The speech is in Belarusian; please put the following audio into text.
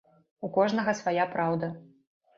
У кожнага свая праўда.